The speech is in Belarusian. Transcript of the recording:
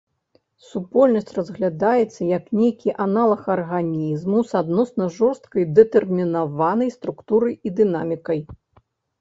Супольнасць разглядаецца як нейкі аналаг арганізму с адносна жорстка дэтэрмінаванай структурай і дынамікай.